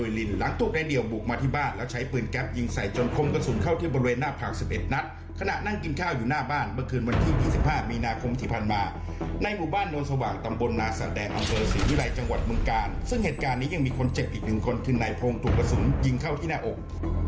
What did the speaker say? ยิ่งมีคนเจ็บอีกหนึ่งคนคือนายพงต์ถูกประสุนยิงเข้าที่หน้าอก